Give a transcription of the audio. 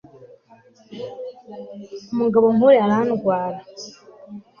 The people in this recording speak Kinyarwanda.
Umugabo nkuriya arandwara